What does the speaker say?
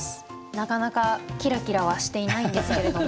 なかなかキラキラはしていないんですけれども。